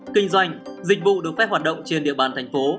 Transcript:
kinh doanh dịch vụ được phép hoạt động trên địa bàn thành phố